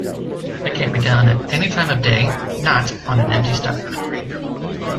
It can be done at any time of day, not on an empty stomach.